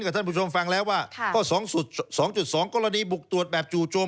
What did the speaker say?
ท่านผู้ชมฟังแล้วว่าข้อ๒๒กรณีบุกตรวจแบบจู่โจม